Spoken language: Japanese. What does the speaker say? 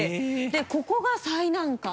でここが最難関。